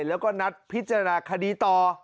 แล้วก็นัดพิจารณาคดีต่อ